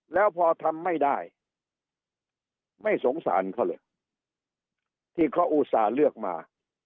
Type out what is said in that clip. แล้วพอทำไม่ได้ไม่สงสารเขาเลยที่เขาอุตส่าห์เลือกมา